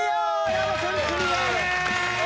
薮君クリアです！